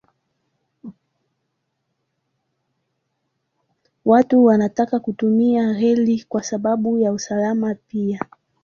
Watu wanataka kutumia reli kwa sababu ya usalama pia.